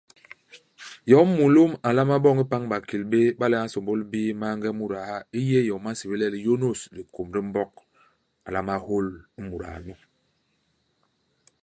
Yom mulôm a nlama boñ ipañ bakil béé iba le a nsômbôl bii maange muda ha, i yé i yom ba nsébél le liyônôs dikôm di Mbog. A nlama hôl i muda nu.